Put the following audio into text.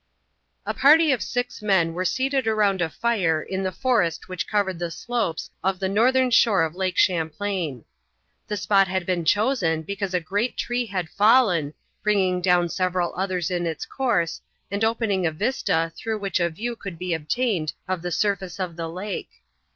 A party of six men were seated around a fire in the forest which covered the slopes of the northern shore of Lake Champlain. The spot had been chosen because a great tree had fallen, bringing down several others in its course, and opening a vista through which a view could be obtained of the surface of the lake.